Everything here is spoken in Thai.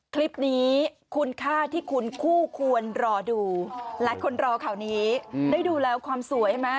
คลิปนี้คุณค่าที่คุณคู่ควรรอดูหลายคนรอข่าวนี้ได้ดูแล้วความสวยใช่ไหม